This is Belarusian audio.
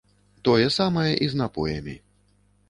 Тое самае і з напоямі.